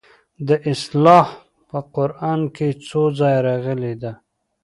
دا اصطلاح په قران کې څو ځایه راغلې ده.